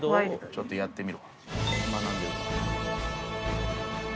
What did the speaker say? ちょっとやってみろ。